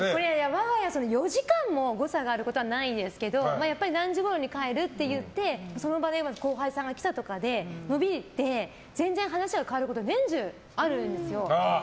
我が家では４時間も誤差があることはないんですけど何時ごろに帰るって言ってその場で後輩さんが来たとかで延びて、全然話が変わることは年中あるんですよ。